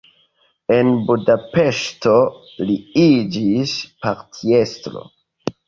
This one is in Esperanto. En Budapeŝto li iĝis partiestro.